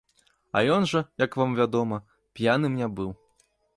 А ён жа, як вам вядома, п'яным не быў.